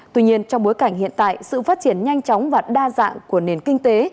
tuy nhiên trong bối cảnh hiện tại sự phát triển nhanh chóng và đa dạng của nền kinh tế